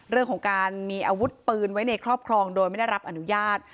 เรื่องของการมีอาวุธปืนไว้ในครอบครองโดยไม่ได้รับอนุญาต